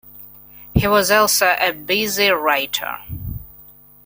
He was also a busy writer.